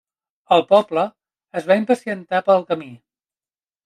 El poble es va impacientar pel camí.